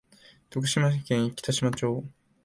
徳島県北島町